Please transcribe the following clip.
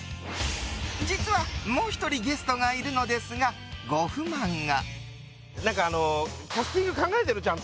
実は、もう１人ゲストがいるのですが、ご不満が。